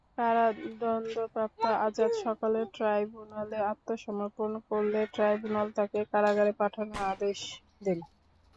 কারাদণ্ডপ্রাপ্ত আযাদ সকালে ট্রাইব্যুনালে আত্মসমর্পণ করলে ট্রাইব্যুনাল তাঁকে কারাগারে পাঠানোর আদেশ দেন।